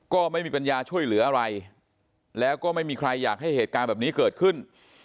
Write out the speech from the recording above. ก็ไม่มีปัญญาช่วยเหลืออะไรแล้วก็ไม่มีใครอยากให้เหตุการณ์แบบนี้เกิดขึ้น